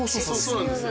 そうなんです